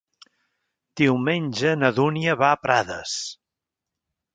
Diumenge na Dúnia va a Prades.